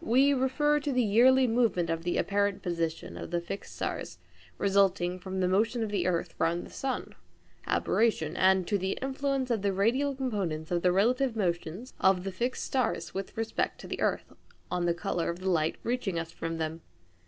We refer to the yearly movement of the apparent position of the fixed stars resulting from the motion of the earth round the sun (aberration), and to the influence of the radial components of the relative motions of the fixed stars with respect to the earth on the colour of the light reaching us from them.